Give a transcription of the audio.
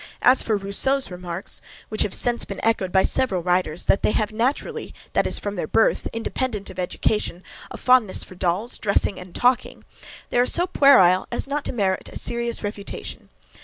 As for Rousseau's remarks, which have since been echoed by several writers, that they have naturally, that is from their birth, independent of education, a fondness for dolls, dressing, and talking, they are so puerile as not to merit a serious refutation.